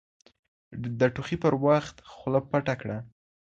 د ټوخي پر وخت خوله پټه کړه